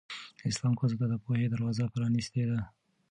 اسلام ښځو ته د پوهې دروازه پرانستې ده.